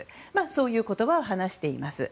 そういう言葉を話しています。